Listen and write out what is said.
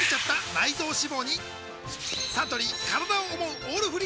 サントリー「からだを想うオールフリー」